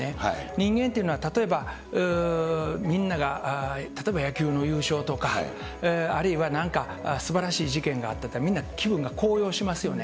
人間っていうのは、例えば、みんなが例えば野球の優勝とか、あるいはなんかすばらしい事件があったら、みんな気分が高揚しますよね。